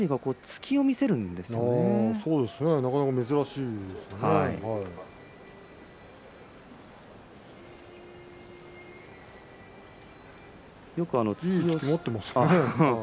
なかなか珍しいですよね。